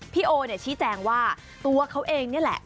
พี่โอเนี่ยชี้แจงว่าตัวเขาเองนี่แหละ